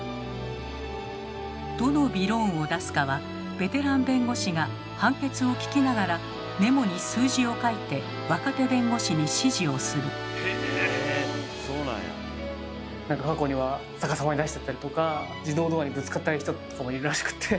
どのびろーんを出すかはベテラン弁護士が判決を聞きながらメモに数字を書いて若手弁護士に指示をする。ということで井手らっきょ。